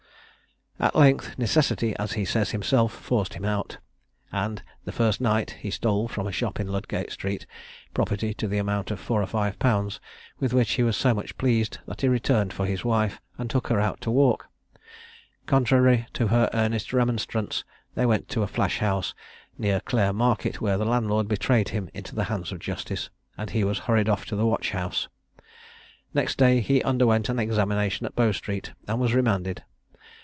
At length, "necessity," as he says himself, forced him out; and, the first night, he stole, from a shop in Ludgate Street, property to the amount of four or five pounds, with which he was so much pleased that he returned for his wife, and took her out to walk. Contrary to her earnest remonstrance, they went to a flash house, near Clare Market, where the landlord betrayed him into the hands of justice, and he was hurried off to the watch house. Next day he underwent an examination at Bow Street, and was remanded.